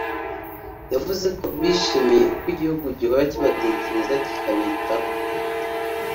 yavuze ko bishimiye uko igihugu gihora kibatekereza kikabitaho